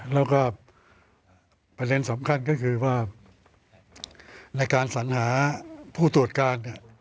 แล้วก็ประเด็นสำคัญก็คือว่าในการสัญหาผู้ตรวจการ